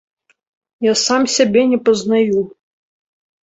Я сам сябе не пазнаю.